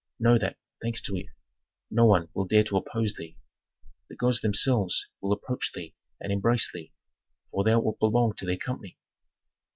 Know that, thanks to it, no one will dare to oppose thee. The gods themselves will approach thee and embrace thee, for thou wilt belong to their company.